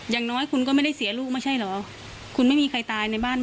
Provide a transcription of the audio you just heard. อย่างน้อยคุณก็ไม่ได้เสียลูกไม่ใช่เหรอคุณไม่มีใครตายในบ้าน